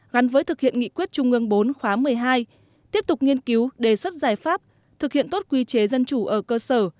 gắn với thực hiện nghị quyết trung ương bốn khóa một mươi hai tiếp tục nghiên cứu đề xuất giải pháp thực hiện tốt quy chế dân chủ ở cơ sở